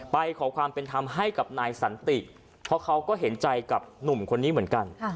ขอความเป็นธรรมให้กับนายสันติเพราะเขาก็เห็นใจกับหนุ่มคนนี้เหมือนกัน